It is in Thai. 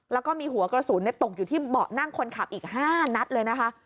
แล้วก็มีหัวกระสุนตกอยู่ที่เบาะนั่งคนขับอีก๕นัดเลยนะคะ